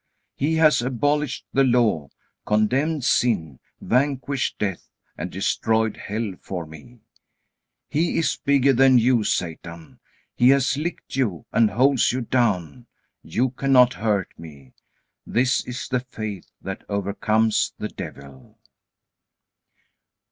He has abolished the Law, condemned sin, vanquished death, and destroyed hell for me. He is bigger than you, Satan. He has licked you, and holds you down. You cannot hurt me." This is the faith that overcomes the devil.